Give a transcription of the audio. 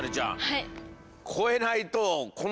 はい。